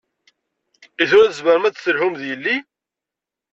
I tura tzemrem ad d-telhum d yelli?